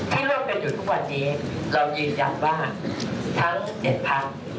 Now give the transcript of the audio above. ที่ร่วมกันอยู่ทุกวันนี้เรายืนยันว่าทั้ง๑๑พัก